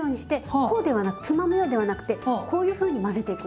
こうではなくつまむようでなくてこういうふうに混ぜていくんです。